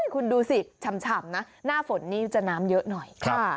คุณดูสิฉ่ำนะหน้าฝนนี่จะน้ำเยอะหน่อย